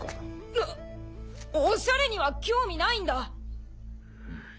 なっおしゃれには興味ないんだ！